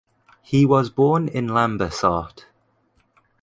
He was born in Lambersart.